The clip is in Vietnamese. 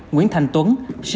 nguyễn thành tuấn